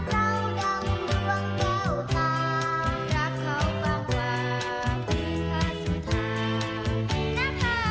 ใจน้อรักเจ้าดังดวงเก้าตารักเขากว้างกว่าคือพระสุทธาณภากา